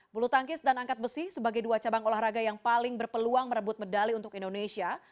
bulu tangkis dan angkat besi sebagai dua cabang olahraga yang paling berpeluang merebut medali untuk indonesia